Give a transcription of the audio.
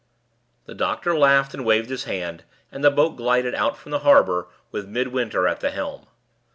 The doctor laughed and waved his hand, and the boat glided out from the harbor, with Midwinter at the helm.